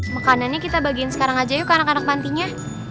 makanannya kita bagiin sekarang aja yuk ke anak anak pantinya